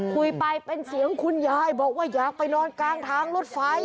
คุยไปเป็นเสียงคุณยายบอกว่าอยากไปนอนกลางทางรถไฟ